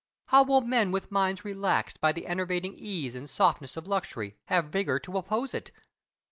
How will men with minds relaxed by the enervating ease and softness of luxury have vigour to oppose it?